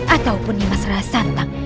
ataupun nimas raha santan